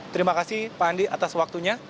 terima kasih pak andi atas waktunya